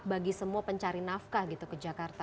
bagi semua pencari nafkah gitu ke jakarta